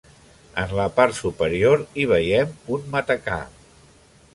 En la part superior hi veiem un matacà.